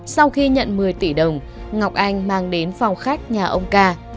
sau khi nhận một mươi tỷ đồng ngọc anh mang đến phòng khách nhà ông ca